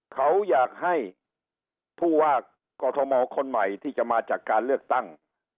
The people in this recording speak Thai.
เขาอยากให้ผู้ว่ากอทมคนใหม่ที่จะมาจากการเลือกตั้ง